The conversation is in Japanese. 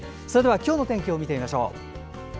それでは、今日の天気を見てみましょう。